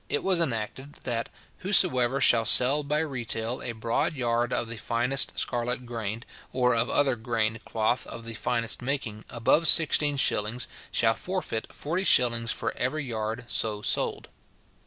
it was enacted, that "whosoever shall sell by retail a broad yard of the finest scarlet grained, or of other grained cloth of the finest making, above sixteen shillings, shall forfeit forty shillings for every yard so sold."